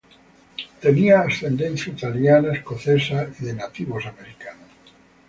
Tenía ascendencia italiana, escocesa y de nativos americanos.